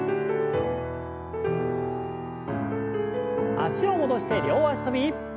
脚を戻して両脚跳び。